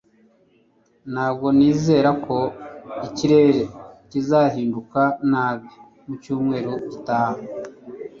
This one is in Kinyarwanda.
ntabwo nizera ko ikirere kizahinduka nabi mucyumweru gitaha